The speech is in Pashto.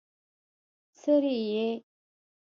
څرې يې؟